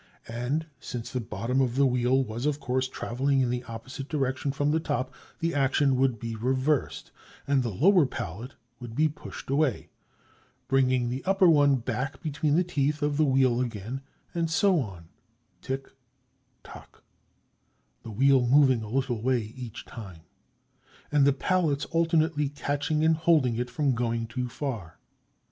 And since the bottom of the wheel was, of course, traveling in the opposite direction from the top, the action would be reversed, and the lower pallet would be pushed away, bringing the upper one back between the teeth of the wheel again; and so on, "tick tock," the wheel moving a little way each time, and the pallets alternately catching and holding it from going too far.